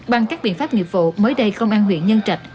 bằng các biện pháp nghiệp vụ mới đây công an huyện nhân trạch